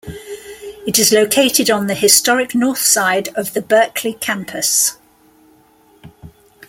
It is located on the historic north side of the Berkeley campus.